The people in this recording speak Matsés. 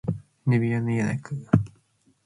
nëbipabi yanac